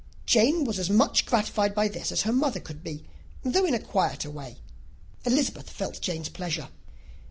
Jane was as much gratified by this as her mother could be, though in a quieter way. Elizabeth felt Jane's pleasure.